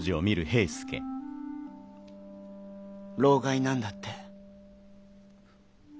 労咳なんだって。